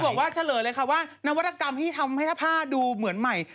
เขาบอกว่าเฉลยเลยค่ะว่านวัตกรรมที่ทำให้ผ้าดูเหมือนใหม่